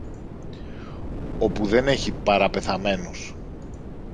όπου δεν έχει παρά πεθαμένους!